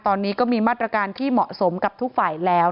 ตอนนี้ก็มีมาตรการที่เหมาะสมกับทุกฝ่ายแล้ว